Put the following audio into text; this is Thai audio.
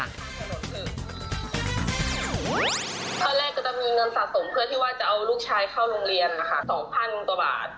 เรียบร้อย